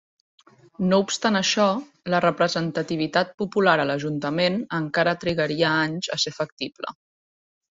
No obstant això, la representativitat popular a l'ajuntament encara trigaria anys a ser factible.